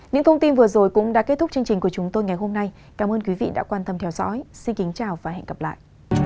những thông tin vừa rồi cũng đã kết thúc chương trình của chúng tôi ngày hôm nay cảm ơn quý vị đã quan tâm theo dõi xin kính chào và hẹn gặp lại